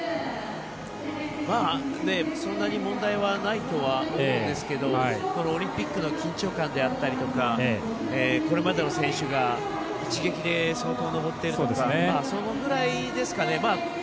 そんなに問題ないとは思うんですけどこのオリンピックの緊張感であったりとかこれまでの選手が一撃で相当、登っているとかそのぐらいですかね。